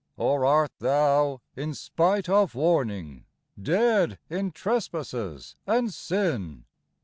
Or art thou, in spite of warning, Dead in trespasses and sin